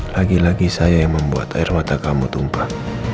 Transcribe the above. lagi lagi saya yang membuat air mata kamu tumpah